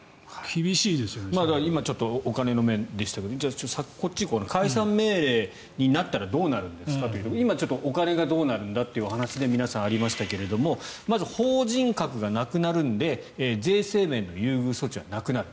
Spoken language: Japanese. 今、お金の面でしたけど解散命令になったらどうなるんですかというところ今、ちょっとお金がどうなるんだという話で皆さんありましたけれどまず、法人格がなくなるので税制面の優遇措置はなくなる。